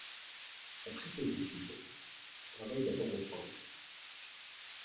Après ses études, il travaille d'abord en France.